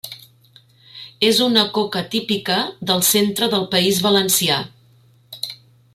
És una coca típica del centre del País Valencià.